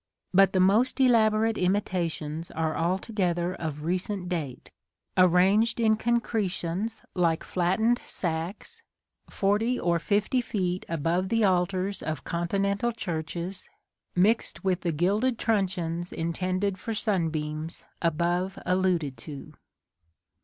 But the most elaborate imitations are altogether of recent date, arranged in concretions like flattened sacks, forty or fifty feet above the altars of continental churches, mixed with the gilded truncheons intended for sunbeams above alluded to.